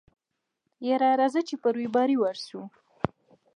يره راځه په رېبارۍ ورشو.